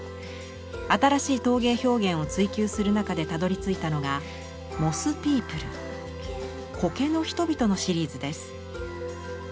新しい陶芸表現を追求する中でたどりついたのが「モス・ピープル」「苔の人々」のシリーズです。